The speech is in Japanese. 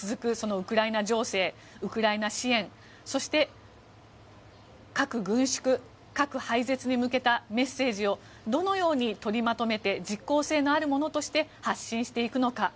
ウクライナ情勢ウクライナ支援そして、核軍縮、核廃絶に向けたメッセージをどのように取りまとめて実効性のあるものとして発信していくのか。